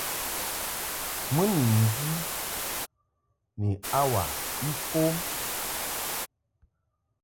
Mɨ ni ndi ni hour ifɔm.